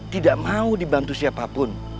tidak mau dibantu siapapun